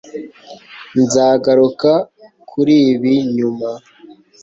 Nzagaruka kuri ibi nyuma